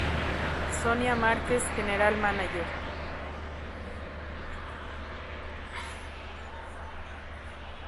Sonia Marquez: General Manager.